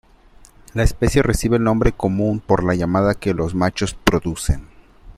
La especie recibe el nombre común por la llamada que los machos producen.